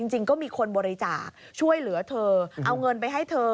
จริงก็มีคนบริจาคช่วยเหลือเธอเอาเงินไปให้เธอ